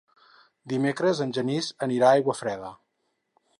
Dimecres en Genís anirà a Aiguafreda.